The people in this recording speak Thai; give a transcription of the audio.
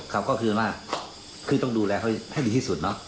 ครับก็คือว่าคือต้องดูแลเขาให้ดีที่สุดเนาะ